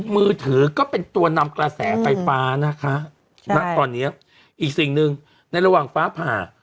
มือถือก็เป็นตัวนำกระแสไฟฟ้านะคะณตอนนี้อีกสิ่งหนึ่งในระหว่างฟ้าผ่า